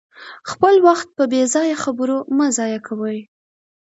خپل وخت په بې ځایه خبرو مه ضایع کوئ.